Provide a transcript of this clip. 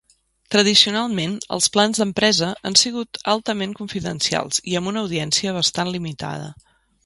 Tradicionalment, els plans d'empresa han sigut altament confidencials i amb una audiència bastant limitada.